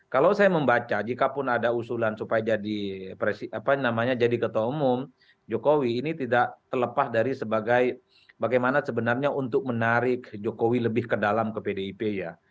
kalau saya membaca jikapun ada usulan supaya jadi ketua umum jokowi ini tidak terlepas dari sebagai bagaimana sebenarnya untuk menarik jokowi lebih ke dalam ke pdip ya